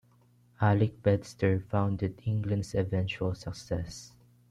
Alec Bedser founded England's eventual success.